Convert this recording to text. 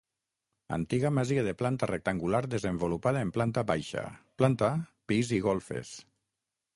Antiga masia de planta rectangular desenvolupada en planta baixa, planta pis i golfes.